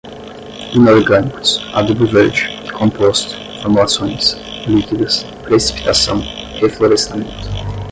inorgânicos, adubo verde, composto, formulações, líquidas, precipitação, reflorestamento